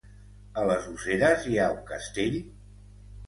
A les Useres hi ha un castell?